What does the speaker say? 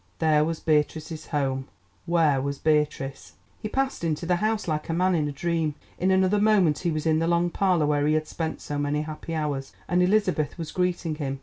There was Beatrice's home; where was Beatrice? He passed into the house like a man in a dream. In another moment he was in the long parlour where he had spent so many happy hours, and Elizabeth was greeting him.